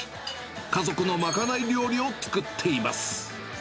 家族の賄い料理を作っています。